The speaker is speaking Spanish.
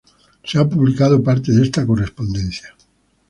Se ha publicado parte de esta correspondencia.